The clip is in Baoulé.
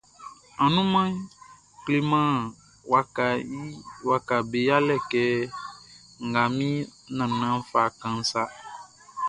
Anumanʼn kleman wakaʼm be yalɛ kɛ nga min nannanʼn fa kanʼn sa.